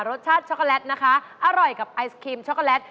รสชาติช็อกโกแลตนะคะอร่อยกับไอศครีมช็อกโกแลต